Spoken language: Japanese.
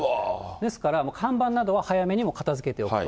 ですからもう看板などは早めに片づけておくと。